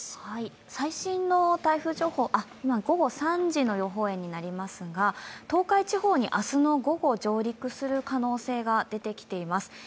最新の台風情報、今、午後３時の予報円になりますが、東海地方に明日の午後、上陸する可能性が出てきています。